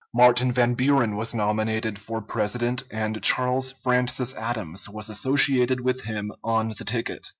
Martin Van Buren was nominated for President, and Charles Francis Adams was associated with him on the ticket.